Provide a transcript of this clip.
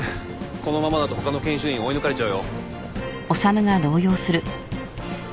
このままだと他の研修医に追い抜かれちゃうよ。